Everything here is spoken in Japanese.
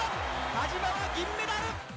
田島は銀メダル！